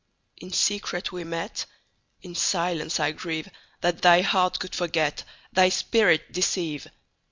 In secret we met:In silence I grieveThat thy heart could forget, Thy spirit deceive.